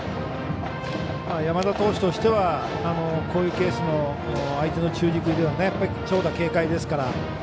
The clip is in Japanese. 山田投手としてはこういうケース相手の中軸、長打警戒ですから。